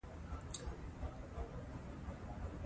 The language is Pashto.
ازادي راډیو د ټرافیکي ستونزې په اړه څېړنیزې لیکنې چاپ کړي.